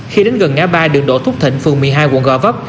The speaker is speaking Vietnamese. khi đến gần ngã ba đường đỗ thúc thịnh phường một mươi hai quận gò vấp